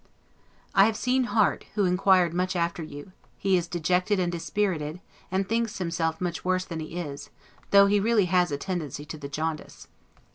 I have seen Harte, who inquired much after you: he is dejected and dispirited, and thinks himself much worse than he is, though he has really a tendency to the jaundice.